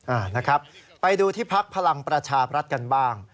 อ่านะครับไปดูที่พักพลังประชาบรัฐกันบ้าง